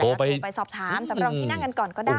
โทรไปสอบถามสำรองที่นั่งกันก่อนก็ได้